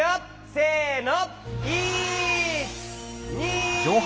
せの！